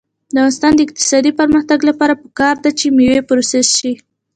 د افغانستان د اقتصادي پرمختګ لپاره پکار ده چې مېوې پروسس شي.